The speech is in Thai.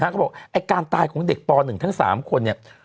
เขาบอกไอ้การตายของเด็กป๑ทั้ง๓คนเนี่ย